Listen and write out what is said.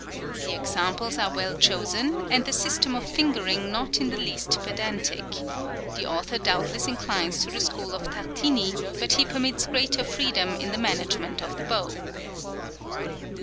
The examples are well chosen, and the system of fingering not in the least pedantic; the author doubtless inclines to the school of Tartini, but he permits greater freedom in the management of the bow."